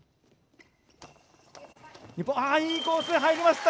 いいコース、入りました。